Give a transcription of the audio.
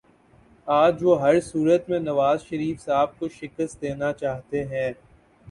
آج وہ ہر صورت میں نوازشریف صاحب کو شکست دینا چاہتے ہیں